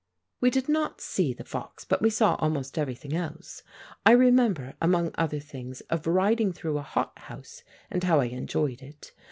We did not see the fox, but we saw almost everything else. I remember, among other things, of riding through a hothouse, and how I enjoyed it.